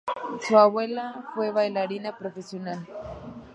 Su abuela fue una bailarina profesional.